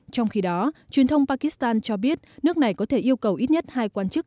trong khi đó truyền thông pakistan cho biết nước này có thể yêu cầu ít nhất hai quan chức